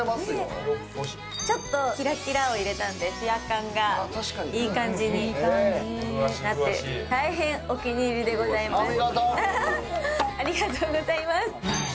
ちょっとキラキラを入れたんでツヤ感がいい感じになって大変お気に入りでございます。